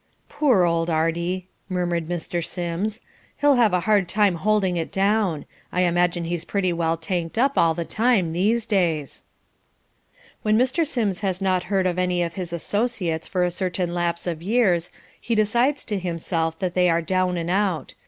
"Poor old Artie," murmured Mr. Sims. "He'll have a hard time holding it down. I imagine he's pretty well tanked up all the time these days." When Mr. Sims has not heard of any of his associates for a certain lapse of years, he decides to himself that they are down and out.